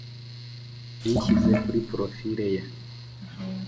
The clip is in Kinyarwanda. ayishyize kuri porofile ye.